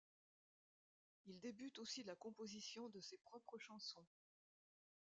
Il débute aussi la composition de ses propres chansons.